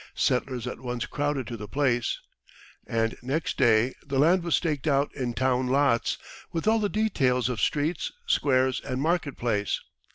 Settlers at once crowded to the place, and next day the land was staked out in town lots, with all the details of streets, squares, and market place.